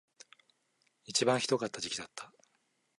一番ひどかった時期だった